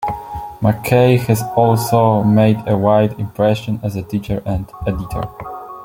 Mckay has also made a wide impression as a teacher and editor.